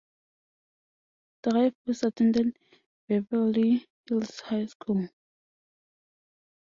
Dreyfuss attended Beverly Hills High School.